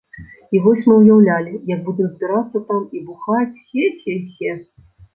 І вось мы ўяўлялі, як будзем збірацца там і бухаць, хе-хе-хе.